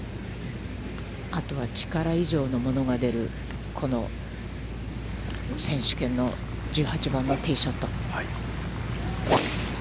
あとは力以上のものが出る、この選手権の１８番のティーショット。